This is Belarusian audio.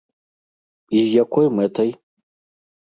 І з якой мэтай?